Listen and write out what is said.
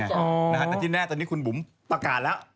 แต่ที่แน่ตอนนี้คุณบุ๋มประกาศแล้ว